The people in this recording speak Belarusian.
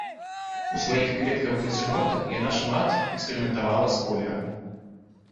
У сваіх кветкавых нацюрмортах яна шмат эксперыментавала з колерам.